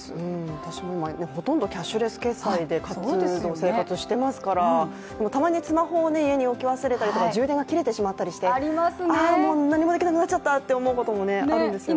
私もほとんどキャッシュレス決済で活動、生活をしていますから、でもたまにスマホを家に置き忘れたりとか充電が切れたりしてあ、もう何もできなくなっちゃったと思うこともあるんですよね。